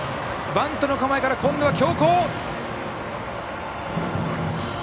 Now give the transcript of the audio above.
バントの構えから今度は強行！